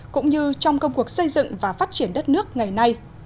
cũng như trong công cuộc xây dựng và phát triển đất nước ngày nay